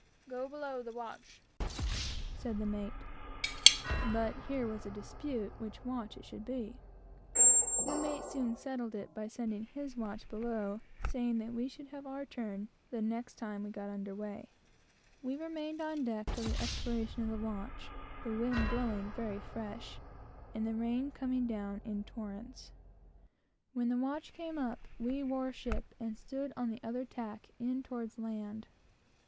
"Go below the watch," said the mate; but here was a dispute which watch it should be, which the mate soon however settled by sending his watch below, saying that we should have our turn the next time we got under weigh. We remained on deck till the expiration of the watch, the wind blowing very fresh and the rain coming down in torrents. When the watch came up, we wore ship, and stood on the other tack, in towards land.